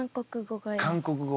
韓国語が。